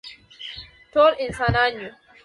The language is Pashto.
ټول انسانان یو